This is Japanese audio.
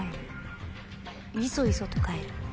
「いそいそと帰る」。